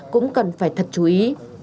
cũng cần phải thật chú ý